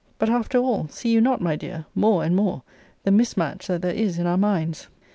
But after all, see you not, my dear, more and more, the mismatch that there is in our minds?